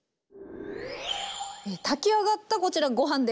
炊き上がったこちらご飯です。